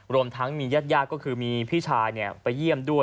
รวมทั้งมีญาติก็คือมีพี่ชายไปเยี่ยมด้วย